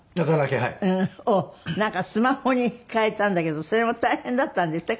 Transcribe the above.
をなんかスマホに替えたんだけどそれも大変だったんですって？